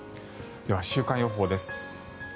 では週間予報です。